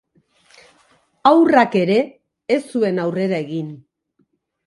Haurrak ere ez zuen aurrera egin.